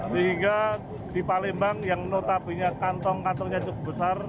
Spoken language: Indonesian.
sehingga di palembang yang notabene kantong kantongnya cukup besar